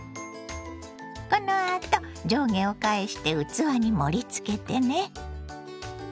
このあと上下を返して器に盛りつけてね。